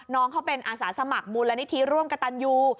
น้องเขาเป็นอาสาสมัครมูลนิธิร่วมกระตันยู